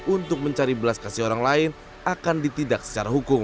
untuk mencari belas kasih orang lain akan ditidak secara hukum